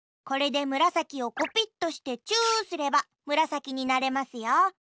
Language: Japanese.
これでむらさきをコピットしてチューすればむらさきになれますよ。